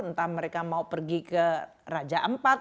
entah mereka mau pergi ke raja empat